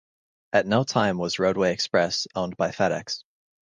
At no time was Roadway Express owned by Fed Ex.